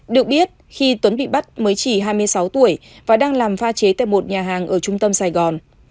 được biết khi tuấn bị bắt mới chỉ hai mươi sáu tuổi và đang làm pha chế tại một nhà hàng ở trung tâm sài gòn